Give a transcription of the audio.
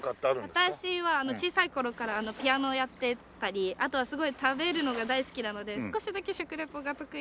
私は小さい頃からピアノをやってたりあとはすごい食べるのが大好きなので少しだけ食リポが得意。